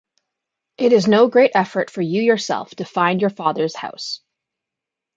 It is no great effort for you yourself to find your father’s house.